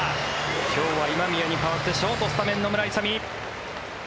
今日は今宮に代わってショートスタメン、野村勇。